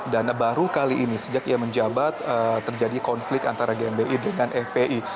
dan baru kali ini sejak ia menjabat terjadi konflik antara gmbi dengan fpi